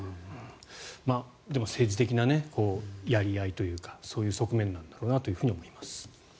でも政治的なやり合いというかそういう側面なんだろうなと思います。